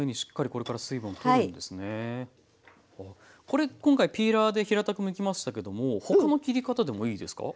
これ今回ピーラーで平たくむきましたけども他の切り方でもいいですか？